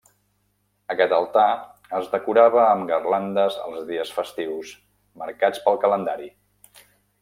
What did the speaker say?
Aquest altar es decorava amb garlandes els dies festius marcats pel calendari.